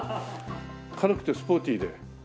軽くてスポーティーで。